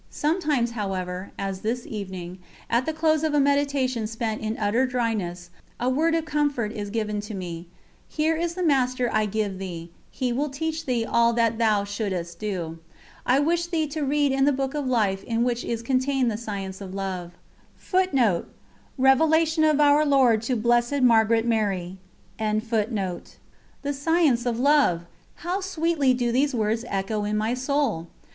Sometimes, however, as this evening, at the close of a meditation spent in utter dryness, a word of comfort is given to me: "Here is the Master I give thee, He will teach thee all that thou shouldst do. I wish thee to read in the Book of Life in which is contained the science of love. .. ." The Science of Love! How sweetly do these words echo in my soul!